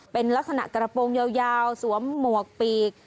เป็นลักษณะกระโปรงยาวสวมหมวกปีก